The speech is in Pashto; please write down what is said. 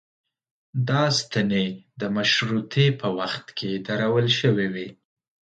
دا ستنې د مشروطې په وخت کې درول شوې وې.